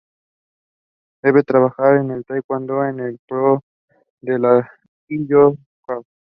Debe trabajar en el Taekwondo en pro de la Ji Do Kwan.